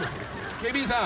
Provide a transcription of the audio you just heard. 警備員さん。